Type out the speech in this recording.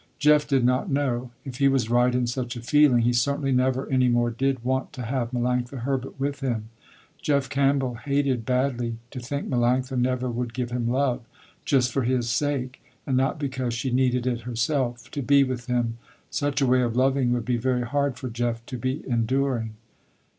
Jeff did not know. If he was right in such a feeling, he certainly never any more did want to have Melanctha Herbert with him. Jeff Campbell hated badly to think Melanctha never would give him love, just for his sake, and not because she needed it herself, to be with him. Such a way of loving would be very hard for Jeff to be enduring.